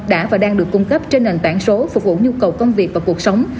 đã và đang được cung cấp trên nền tảng số phục vụ nhu cầu công việc và cuộc sống